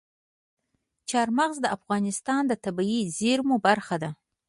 چار مغز د افغانستان د طبیعي زیرمو برخه ده.